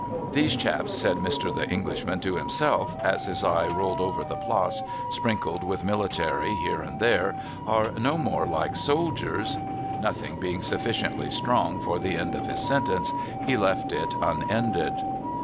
' These chaps,' said Mr. The Englishman to himself, as his eye rolled over the Place, sprinkled with military here and there, ' are no more like soldiers —' Nothing being sufficiently strong for the end of his sentence, he left it unended.